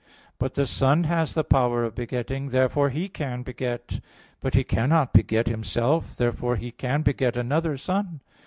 But the Son has the power of begetting. Therefore He can beget. But He cannot beget Himself: therefore He can beget another son.